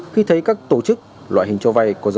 khi thấy các tổ chức loại hình cho vay